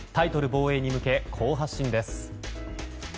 防衛に向け好発進です。